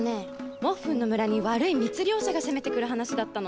もっふんの村に悪い密猟者が攻めてくる話だったの。